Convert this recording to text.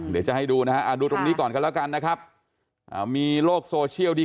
เดี๋ยวจะให้ดูนะฮะดูตรงนี้ก่อนกันแล้วกันนะครับมีโลกโซเชียลที่